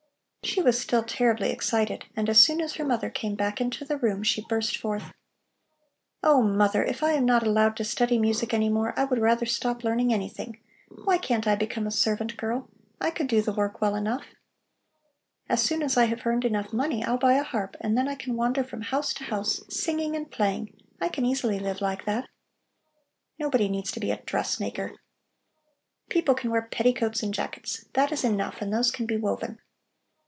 She was still terribly excited, and as soon as her mother came back to the room, she burst forth: "Oh, mother, if I am not allowed to study music any more, I would rather stop learning anything. Why can't I become a servant girl? I could do the work well enough. As soon as I have earned enough money, I'll buy a harp and then I can wander from house to house, singing and playing. I can easily live like that. Nobody needs to be a dressmaker. People can wear petticoats and jackets. That is enough, and those can be woven.